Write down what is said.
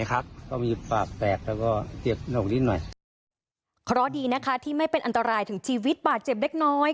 เพราะดีนะคะที่ไม่เป็นอันตรายถึงชีวิตบาดเจ็บเล็กน้อย